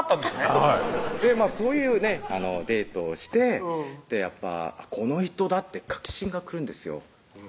はいそういうねデートをしてやっぱこの人だって確信が来るんですよ